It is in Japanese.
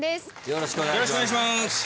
よろしくお願いします。